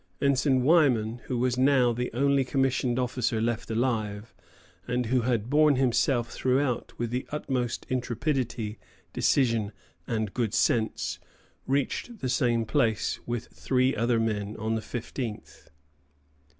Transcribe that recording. Ensign Wyman, who was now the only commissioned officer left alive, and who had borne himself throughout with the utmost intrepidity, decision, and good sense, reached the same place along with three other men on the fifteenth.